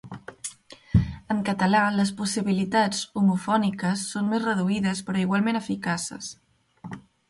En català les possibilitats homofòniques són més reduïdes però igualment eficaces.